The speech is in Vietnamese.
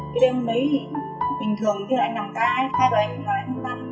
cái đêm hôm đấy thì bình thường khi là anh làm ca hay là anh làm băng